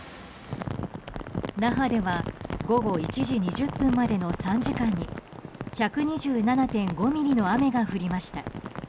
那覇では、午後１時２０分までの３時間に１２７．５ミリの雨が降りました。